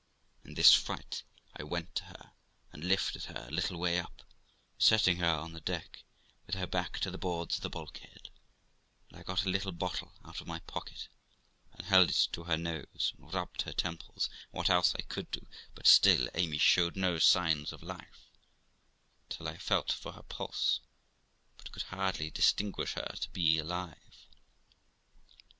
In this fright I went to her, and lifted her a little way up, setting her on the deck, with her back to the boards of the bulk head ; and I got THE LIFE OF ROXANA 267 a little bottle out of my pocket, and I held it to her nose, and rubbed her temples, and what else I could do, but still Amy showed no signs of life, till I felt for her pulse, but could hardly distinguish her to be alive.